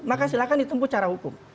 maka silahkan ditempu secara hukum